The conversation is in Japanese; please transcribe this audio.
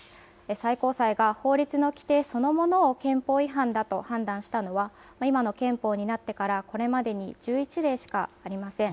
最高裁が法律の規定そのものを憲法違反だと判断したのは、今の憲法になってから、これまでに１１例しかありません。